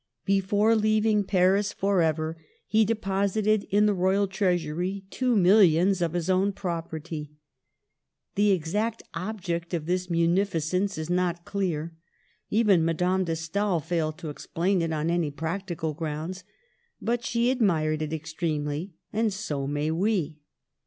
Before leaving Paris forever, he deposited in the royal treasury two millions of his own prop erty. The exact object of this munificence is not clear ; even Madame de Stael failed to explain it on any practical grounds. But she admired it extremely, and so may we.